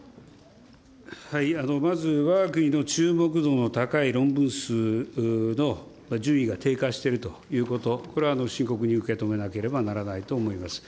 まず、わが国の注目度の高い論文数の順位が低下しているということ、これは深刻に受け止めなければならないと思います。